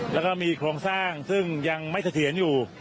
แล้วก็มีโครงสร้างซึ่งยังไม่เสถียรอยู่